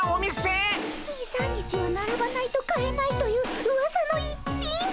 ２３日はならばないと買えないといううわさの逸品。